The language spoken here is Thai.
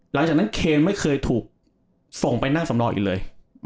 หลังจากนั้นเคนไม่เคยถูกส่งไปนั่งสำรองอีกเลย